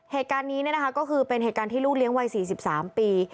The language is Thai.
เหตุการณ์นี้ก็คือเป็นเหตุการณ์ที่ลูกเลี้ยงวัย๔๓ปี